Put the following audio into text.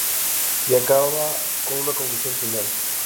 Y acaba con una conclusión final.